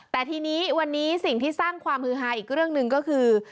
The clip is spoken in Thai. แต่ทีนี้วันนี้สิ่งที่สร้างความฮือฮาอีกเรื่องหนึ่งก็คือ